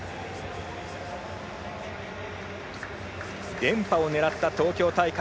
連覇を狙った東京大会。